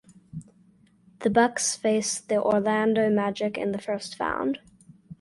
The Bucks faced the Orlando Magic in the First Found.